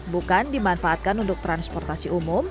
bukan dimanfaatkan untuk transportasi umum